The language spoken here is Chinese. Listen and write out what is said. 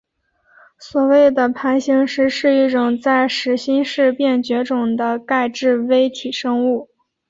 所谓的盘星石是一种在始新世便绝种的钙质微体生物。